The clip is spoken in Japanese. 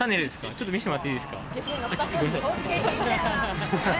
ちょっと見せてもらっていいですか？